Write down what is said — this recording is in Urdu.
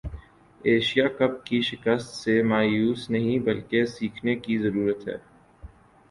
ایشیا کپ کی شکست سے مایوس نہیں بلکہ سیکھنے کی ضرورت ہے